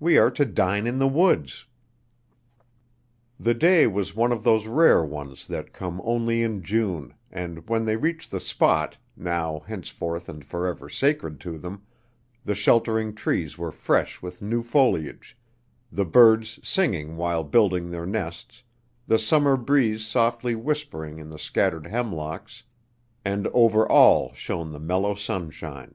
We are to dine in the woods." The day was one of those rare ones that come only in June, and when they reached the spot, now, henceforth and forever sacred to them, the sheltering trees were fresh with new foliage, the birds singing while building their nests, the summer breeze softly whispering in the scattered hemlocks, and over all shone the mellow sunshine.